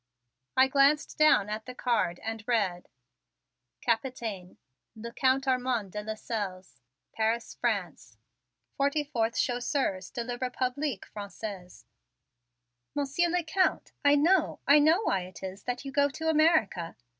I glanced down at the card and read: Capitaine, le Count Armond de Lasselles, Paris, France. 44th Chasseurs de le Republique Francaise. "Monsieur le Count, I know, I know why it is that you go to America!"